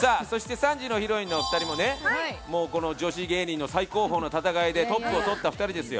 ３時のヒロインのお二人も女性芸人の戦いでトップを取った２人ですよ。